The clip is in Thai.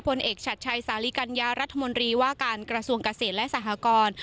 ผลเอกชัดชัยสาลีกัญญารัฐมนตรีว่าการกระทรวงเกษตรและสหกร